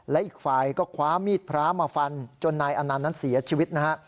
และอีกฝ่ายก็คว้ามีดพระมาฟันจนนายอนันต์นั้นเสียชีวิตนะฮะ